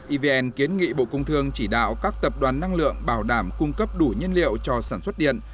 evn kiến nghị bộ công thương chỉ đạo các tập đoàn năng lượng bảo đảm cung cấp đủ nhân liệu cho sản xuất điện